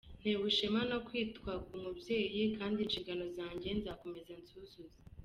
Ntewe ishema no kwitwa umubyeyi kandi inshingano zanjye nzakomeza nzuzuze”.